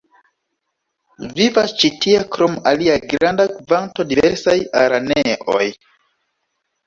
Vivas ĉi tie krom aliaj granda kvanto de diversaj araneoj.